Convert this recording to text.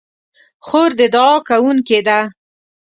خور د دعا کوونکې ده.